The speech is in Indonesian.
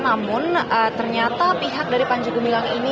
namun ternyata pihak dari panjegumilang ini tidak hadir